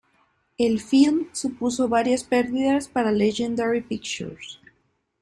El film supuso graves perdidas para Legendary Pictures.